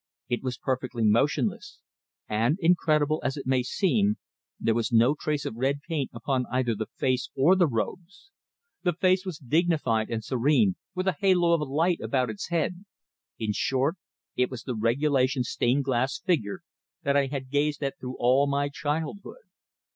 It was perfectly motionless; and incredible as it may seem there was no trace of red paint upon either the face or the robes! The figure was dignified and serene, with a halo of light about its head in short, it was the regulation stained glass figure that I had gazed at through all my childhood.